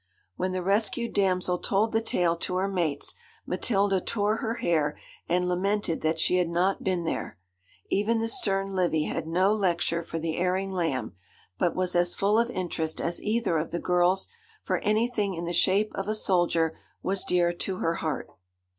When the rescued damsel told the tale to her mates, Matilda tore her hair and lamented that she had not been there. Even the stern Livy had no lecture for the erring lamb, but was as full of interest as either of the girls, for anything in the shape of a soldier was dear to her heart.